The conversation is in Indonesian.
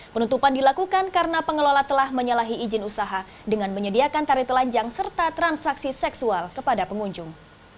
penutupan dilakukan karena pengelola telah menyalahi izin usaha dengan menyediakan tari telanjang serta transaksi seksual kepada pengunjung